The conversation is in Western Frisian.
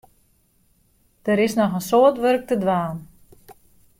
Der is noch in soad wurk te dwaan.